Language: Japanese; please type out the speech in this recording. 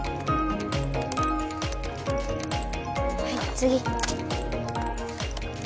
はい次。